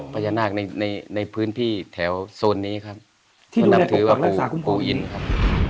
อ๋อพญานาคในในในพื้นที่แถวโซนนี้ครับที่นำถือว่าปู่อินครับ